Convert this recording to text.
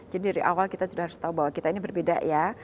jadi dari awal kita harus tahu bahwa kita ini berbeda ya